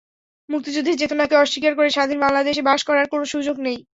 মুক্তিযুদ্ধের চেতনাকে অস্বীকার করে স্বাধীন বাংলাদেশে বাস করার কোনো সুযোগ নেই।